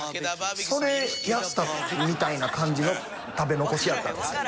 それやったみたいな感じの食べ残しやったんですよ。